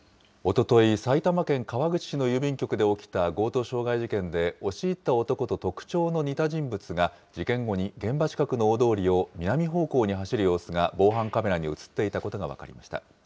おととい、埼玉県川口市の郵便局で起きた強盗傷害事件で、押し入った男と特徴の似た人物が、事件後に現場近くの大通りを南方向に走る様子が防犯カメラに写っていたことが分かりました。